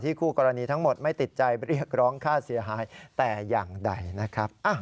คู่กรณีทั้งหมดไม่ติดใจเรียกร้องค่าเสียหายแต่อย่างใดนะครับ